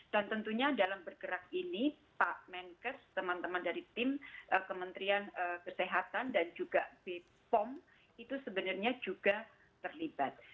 dan tentunya dalam bergerak ini pak menkers teman teman dari tim kementerian kesehatan dan juga bipom itu sebenarnya juga terlibat